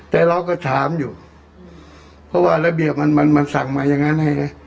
แต่เราก็ถามอยู่เพราะว่าระเบียบมันมันสั่งมาอย่างนั้นไง